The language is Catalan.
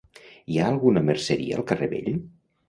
Hi ha alguna merceria al carrer vell?